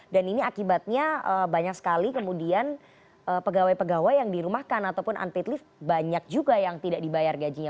dan ini akibatnya banyak sekali kemudian pegawai pegawai yang dirumahkan ataupun unpaid leave banyak juga yang tidak dibayar gajinya